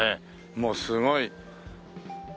もうすごい。